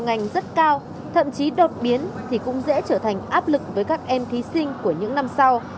ngành rất cao thậm chí đột biến thì cũng dễ trở thành áp lực với các em thí sinh của những năm sau